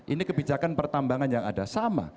ini kebijakan pertambangan yang ada sama